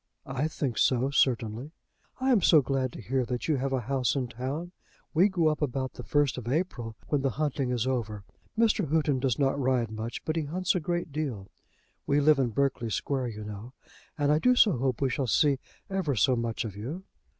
"I think so, certainly." "I am so glad to hear that you have a house in town. We go up about the first of April, when the hunting is over. Mr. Houghton does not ride much, but he hunts a great deal. We live in Berkeley Square, you know; and I do so hope we shall see ever so much of you."